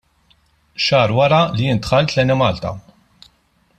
Xahar wara li jien dħalt l-Enemalta.